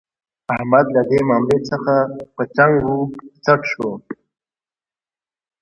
احمد له دې ماملې څخه په څنګ و څټ شو.